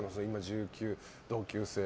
１９の同級生。